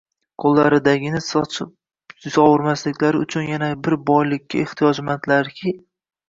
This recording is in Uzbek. qo'llaridagini sochib-sovurmasliklari uchun yana bir boylikka extiyojmandlarki